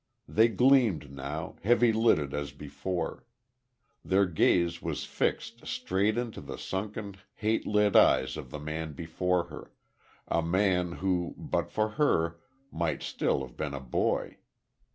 They gleamed now, heavy lidded as before. Their gaze was fixed straight into the sunken, hate lit eyes of the man before her, a man who, but for her, might still have been a boy.